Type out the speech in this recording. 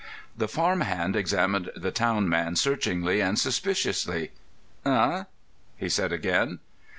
The farm hand examined the town man searchingly and suspiciously. "Eh?" he said again.